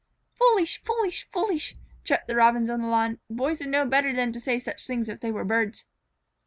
"Foolish! Foolish! Foolish!" chirped the Robins on the lawn. "Boys would know better than to say such things if they were birds."